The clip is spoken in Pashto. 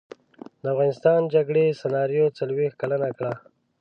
د افغانستان جګړې سناریو څلویښت کلنه کړه.